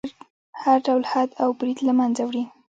هر ډول حد او برید له منځه وړي.